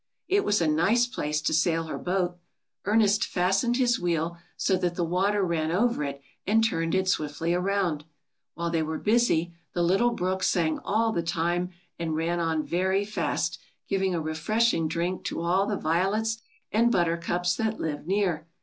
It was a nice place to sail her boat. Ernest fastened his wheel, so that the water ran over it and turned it swiftly around. While they were busy, the little brook sang all the time and ran on very fast, giving a refreshing drink to all the violets and buttercups that lived near.